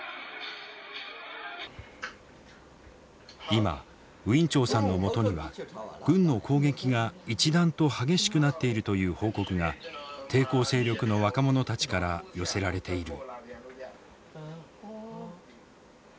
今ウィン・チョウさんのもとには軍の攻撃が一段と激しくなっているという報告が抵抗勢力の若者たちから寄せられている。